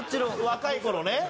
若い頃ね。